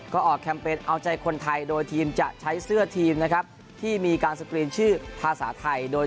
ก็ออกแคมเปญเอาใจคนไทยโดยทีมจะใช้เสื้อทีมนะครับที่มีการสกรีนชื่อภาษาไทยโดย